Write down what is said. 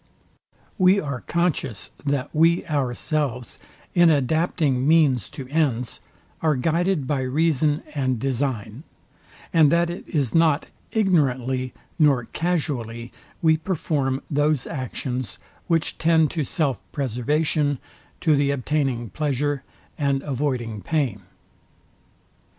We are conscious, that we ourselves, in adapting means to ends, are guided by reason and design, and that it is not ignorantly nor casually we perform those actions, which tend to self preservation, to the obtaining pleasure, and avoiding pain.